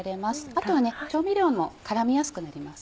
あとは調味料も絡みやすくなります。